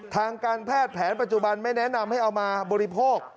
ทางการแพทย์แผนปัจจุบันไม่แนะนำให้เอามาบริโภค